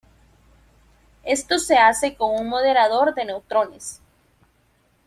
Esto se hace con un moderador de neutrones.